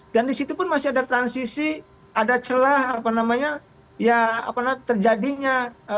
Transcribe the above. dan disitu pun masih ada transisi ada celah apa namanya ya apa namanya terjadinya